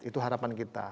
itu harapan kita